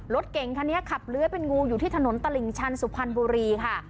รถเก่งคันนี้ขับเลื้อยเป็นงูอยู่ที่ถนนตลิ่งชันสุพรรณบุรีค่ะ